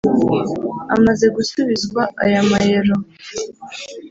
Amaze gusubizwa aya mayero